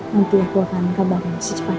nanti aku akan kabarkan secepatnya